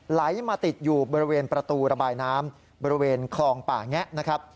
ไหลมาติดอยู่บริเวณประตูระบายน้ำบริเวณคลองป่าแงะนะครับ